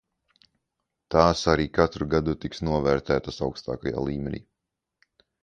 Tās arī katru gadu tiks novērtētas augstākajā līmenī.